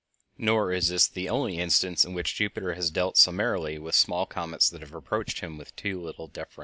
Nor is this the only instance in which Jupiter has dealt summarily with small comets that have approached him with too little deference.